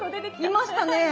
いましたね。